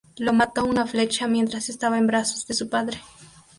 Lo mató una flecha mientras estaba en brazos de su padre.